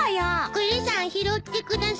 栗さん拾ってください。